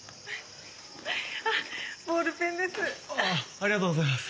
ありがとうございます。